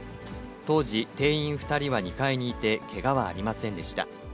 当時、店員２人は２階にいて、けがはありませんでした。